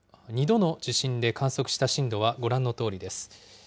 ２度の地震で観測した震度はご覧のとおりです。